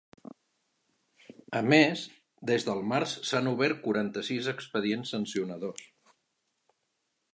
A més, des del març s’han obert quaranta-sis expedients sancionadors.